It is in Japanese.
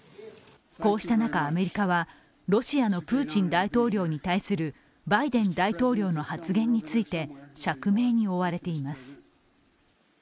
こうした中アメリカは、ロシアのプーチン大統領に対するバイデン大統領の発言について釈明に追われています。